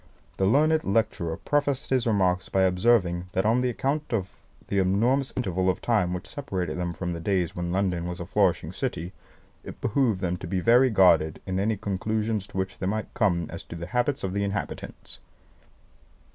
The learned lecturer prefaced his remarks by observing that on account of the enormous interval of time which separated them from the days when London was a flourishing city, it behoved them to be very guarded in any conclusions to which they might come as to the habits of the inhabitants.